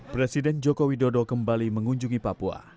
presiden jokowi dodo kembali mengunjungi papua